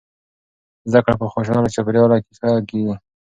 زده کړه په خوشحاله چاپیریال کې ښه کیږي.